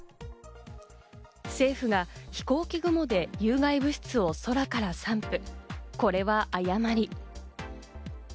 政府が飛行機雲で有害物質を空から散布。